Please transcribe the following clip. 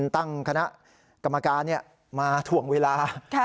ตั้งคณะกรรมการมาถ่วงเวลา